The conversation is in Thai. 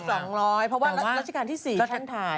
เพราะว่ารัชกาลที่๔ที่ฉันถ่าย